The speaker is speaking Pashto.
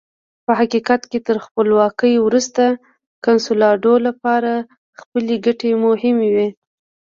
په حقیقت کې تر خپلواکۍ وروسته کنسولاډو لپاره خپلې ګټې مهمې وې.